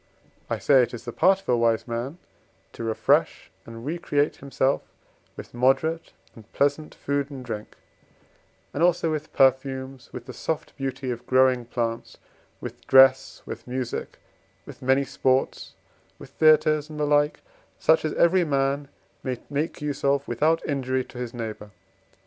I say it is the part of a wise man to refresh and recreate himself with moderate and pleasant food and drink, and also with perfumes, with the soft beauty of growing plants, with dress, with music, with many sports, with theatres, and the like, such as every man may make use of without injury to his neighbour.